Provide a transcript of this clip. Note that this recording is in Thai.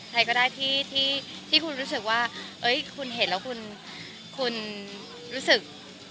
ใครก็ได้ที่คุณรู้สึกว่าคุณเห็นแล้วคุณรู้สึก